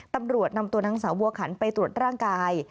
ตำรวจนำตัวนางสาวบัวขันไปตรวจร่างกาย